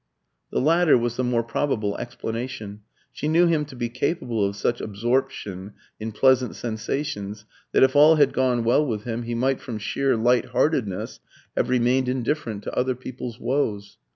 The latter was the more probable explanation; she knew him to be capable of such absorption in pleasant sensations, that, if all had gone well with him, he might from sheer light heartedness have remained indifferent to other people's woes.